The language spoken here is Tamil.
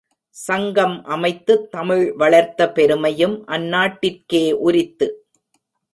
சங்கம் அமைத்துத் தமிழ் வளர்த்த பெருமையும் அந்நாட்டிற்கே உரித்து.